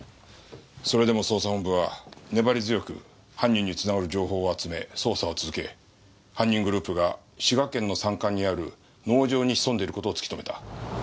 それでも捜査本部は粘り強く犯人に繋がる情報を集め捜査を続け犯人グループが滋賀県の山間にある農場に潜んでる事を突き止めた。